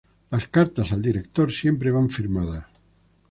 Las cartas al director siempre van firmadas.